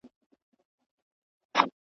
که استاد مهربان وي نو زده کوونکی نه وېریږي.